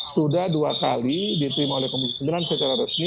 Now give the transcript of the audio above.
sudah dua kali diterima oleh komisi sembilan secara resmi